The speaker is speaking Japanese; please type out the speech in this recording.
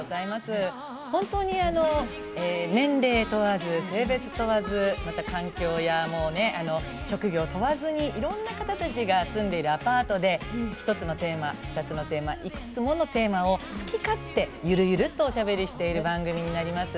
本当に年齢問わず性別問わずまた環境や職業を問わずにいろんな方たちが住んでいるアパートで１つのテーマ、２つのテーマいくつものテーマを好き勝手にゆるゆるとおしゃべりしている番組になります。